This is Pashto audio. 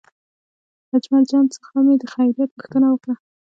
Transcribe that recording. له اجمل جان څخه مې د خیریت پوښتنه وکړه.